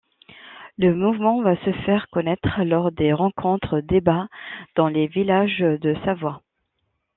Le mouvement va se faire connaître lors de rencontres-débats dans les villages de Savoie.